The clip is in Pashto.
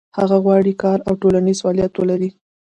هغه غواړي کار او ټولنیز فعالیت ولري.